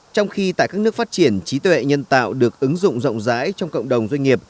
trong khi tại các nước phát triển trí tuệ nhân tạo được ứng dụng rộng rãi trong cộng đồng doanh nghiệp